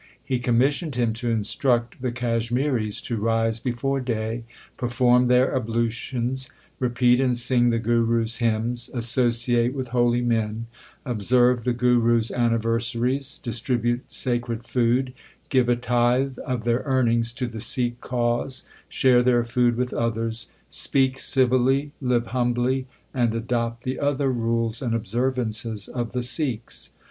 He commissioned him to instruct the Kashmiris to rise before day, perform their ablutions, repeat and sing the Gurus hymns, associate with holy men, observe the Gurus anniversaries, dis tribute sacred food, give a tithe of their earnings to the Sikh cause, share their food with others, speak civilly, live humbly, and adopt the other rules and observances of the Sikhs.